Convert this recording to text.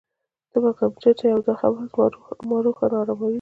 ته به غمجن شې او دا خبره ما روحاً اراموي.